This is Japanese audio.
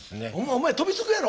お前飛びつくやろ？